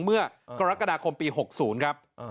เมื่อกรกฎาคมปี๖๐ครับ